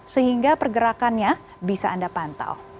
sehingga pergerakannya bisa anda pantau